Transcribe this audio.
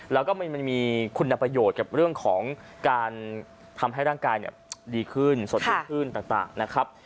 แล้วก็มันมีคุณประโยชน์กับเรื่องของการทำให้ร่างกายดีขึ้นสดดีขึ้นต่างนะครับ